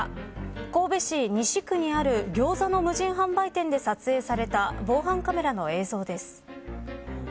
神戸市西区にあるギョーザの無人販売店で撮影された防犯カメラの映像です。